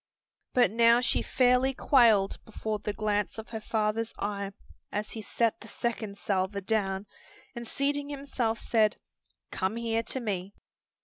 But now she fairly quailed before the glance of her father's eye as he set the second salver down and seating himself said, "Come here to me!"